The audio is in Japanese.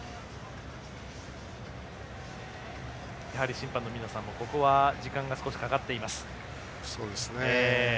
審判の皆さんもここは時間がかかっています。